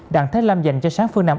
đặng thế lâm dành cho sáng phương nam